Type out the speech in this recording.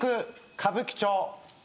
歌舞伎町